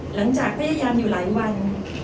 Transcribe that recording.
หลังจากพยายามอยู่หลายวัน